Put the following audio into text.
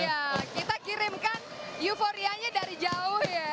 iya kita kirimkan euforianya dari jauh ya